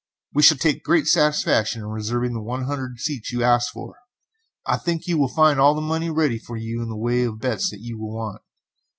We shall take great satisfaction in reserving the one hundred seats you ask for. I think you will find all the money ready for you in the way of bets that you will want.